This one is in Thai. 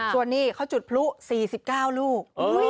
ส่วนนี้เขาจุดพลุ๔๙ลูก